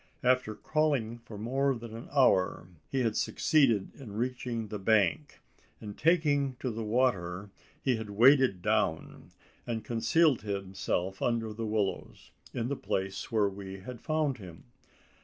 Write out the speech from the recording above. After crawling for more than an hour, he had succeeded in reaching the bank; and, taking to the water, he had waded down, and concealed himself under the willows in the place where we had found him.